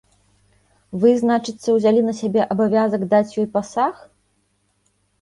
Вы, значыцца, узялі на сябе абавязак даць ёй пасаг.